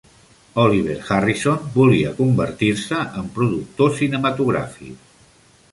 Oliver Harrison volia convertir-se en producció cinematogràfic.